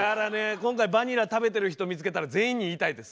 今回バニラ食べてる人見つけたら全員に言いたいです。